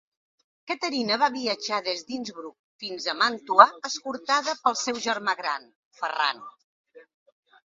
Caterina va viatjar des d'Innsbruck fins a Màntua escortada pel seu germà gran, Ferran.